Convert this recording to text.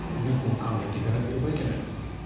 考えていかなければいけないポイント。